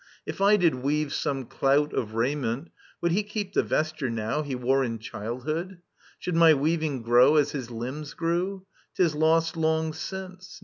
•.. If I did weave some clout Of raiment, would he keep the vesture now He wore in childhood ? Should my weaving grow As his limbs grew? •.• 'Tis lost long since.